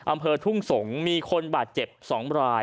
อำเภอทุ่งสงศ์มีคนบาดเจ็บ๒ราย